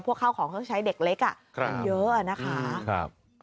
ข้าวของเครื่องใช้เด็กเล็กมันเยอะนะคะ